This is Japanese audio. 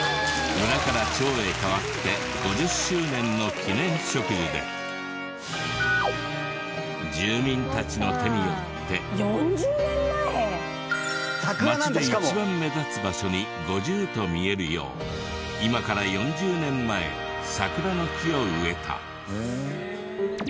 村から町へ変わって５０周年の記念植樹で住民たちの手によって町で一番目立つ場所に５０と見えるよう今から４０年前桜の木を植えた。